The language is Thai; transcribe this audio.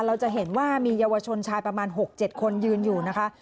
เราจะเห็นว่ามีเยาวชนชายประมาณ๖๗คนยืนอยู่นะคะ